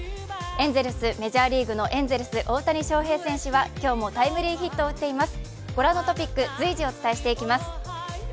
メジャーリーグのエンゼルスの大谷翔平選手は今日もタイムリーヒットを打っています。